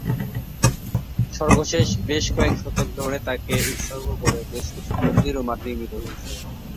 সর্বশেষ বেশ কয়েক শতক ধরে তাকে উৎসর্গ করে বেশকিছু মন্দির ও মঠ নির্মিত হয়েছে।